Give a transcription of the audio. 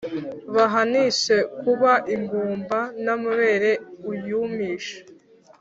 Bahanishe kuba ingumba, n’amabere uyumishe!